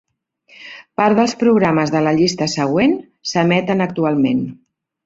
Part dels programes de la llista següent, s'emeten actualment.